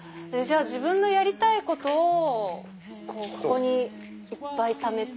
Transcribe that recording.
自分のやりたいことをここにいっぱいためて。